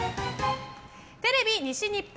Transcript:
テレビ西日本